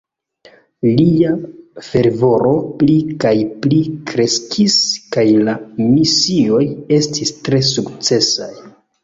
Lia fervoro pli kaj pli kreskis kaj la misioj estis tre sukcesaj.